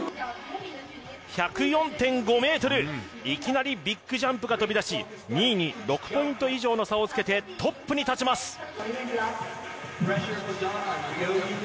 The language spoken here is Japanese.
１０４．５ｍいきなりビッグジャンプが飛び出し２位に６ポイント以上の差をつけてトップに立ちます。